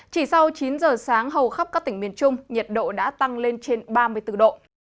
chỉ sau chín giờ sáng hầu khắp các tỉnh miền trung nhiệt độ đã tăng lên trên ba mươi bốn độ